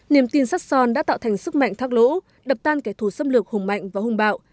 niềm tin sắt son đã tạo thành sức mạnh thác lỗ đập tan kẻ thù xâm lược hùng mạnh và hùng bạo